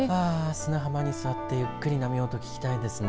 砂浜に座ってゆっくり波音を聞きたいですね。